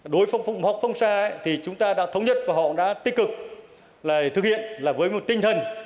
đối với phong mô sa chúng ta đã thống nhất và họ đã tích cực thực hiện với một tinh thần